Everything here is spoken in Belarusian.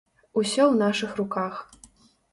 Усё ў нашых руках.